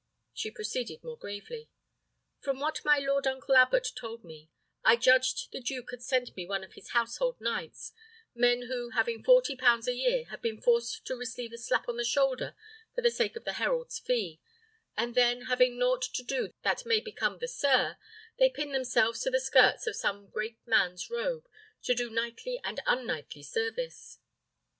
She proceeded more gravely: "From what my lord uncle abbot told me, I judged the duke had sent me one of his household knights, men who, having forty pounds a year, have been forced to receive a slap on the shoulder for the sake of the herald's fee; and then, having nought to do that may become the sir, they pin themselves to the skirts of some great man's robe, to do both knightly and unknightly service."